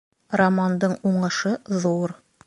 Романдың уңышы ҙур